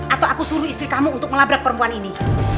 atau aku suruh istri kamu untuk melabrak perempuan ini